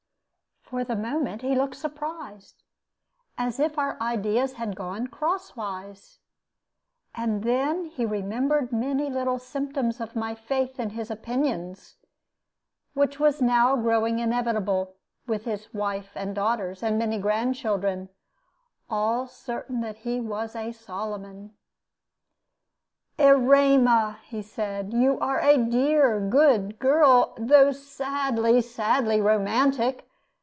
For the moment he looked surprised, as if our ideas had gone crosswise; and then he remembered many little symptoms of my faith in his opinions; which was now growing inevitable, with his wife and daughters, and many grandchildren all certain that he was a Solomon. "Erema," he said, "you are a dear good girl, though sadly, sadly romantic.